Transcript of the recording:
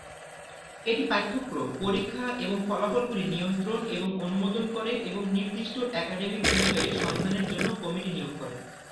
এটি পাঠ্যক্রম, পরীক্ষা এবং ফলাফলগুলি নিয়ন্ত্রণ এবং অনুমোদন করে এবং নির্দিষ্ট একাডেমিক বিষয়ে সন্ধানের জন্য কমিটি নিয়োগ করে।